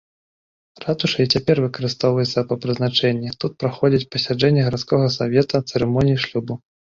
Ратуша і цяпер выкарыстоўваецца па прызначэнні, тут праходзяць пасяджэнні гарадскога савета, цырымоніі шлюбу.